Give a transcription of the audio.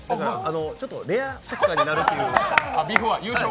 ちょっとレアステッカーになるという。